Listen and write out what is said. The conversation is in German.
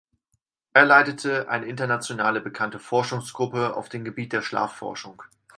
Er leitete eine international bekannte Forschergruppe auf dem Gebiet der Schlafforschung.